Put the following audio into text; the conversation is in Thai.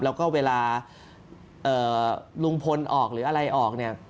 แล้วก็เวลาลุงพลออกหรืออะไรออกเนี่ย